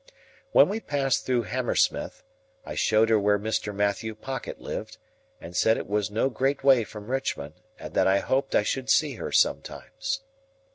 When we passed through Hammersmith, I showed her where Mr. Matthew Pocket lived, and said it was no great way from Richmond, and that I hoped I should see her sometimes.